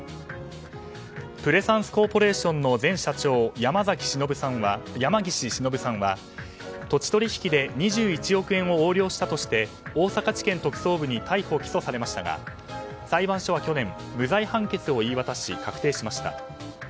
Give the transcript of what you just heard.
プレサンスコーポレーションの前社長山岸忍さんは、土地取引で２１億円を横領したとして大阪地検特捜部に逮捕・起訴されましたが裁判所は去年無罪判決を言い渡し確定しました。